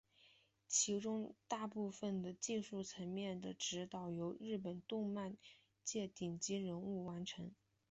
其中大部分的技术层面的指导由日本动画界顶尖人物完成。